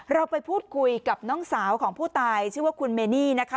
เราไปพูดคุยกับน้องสาวของผู้ตายชื่อว่าคุณเมนี่นะคะ